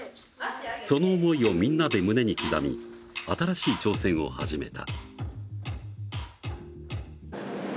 その思いをみんなで胸に刻み新しい挑戦を始めた。